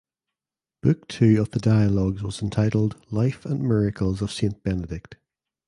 Book two of the Dialogues was entitled "Life and Miracles of Saint Benedict".